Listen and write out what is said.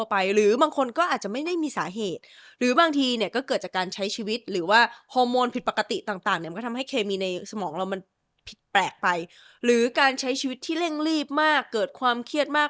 ใช่บางคนก็มีพันธุกรรมมีความเสี่ยงที่จะเป็นมากกว่าคนทั่วไป